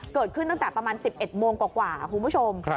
เกิดขึ้นตั้งแต่ประมาณ๑๑โมงกว่าคุณผู้ชม